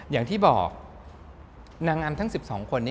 อย่างที่บอกนางงามทั้ง๑๒คน